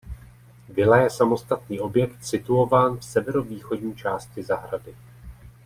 Vila je samostatný objekt situován v severovýchodní části zahrady.